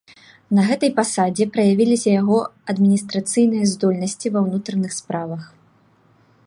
На гэтай пасадзе праявіліся яго адміністрацыйныя здольнасці ва ўнутраных справах.